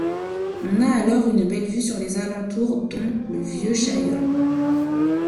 On a alors une belle vue sur les alentours dont le Vieux Chaillol.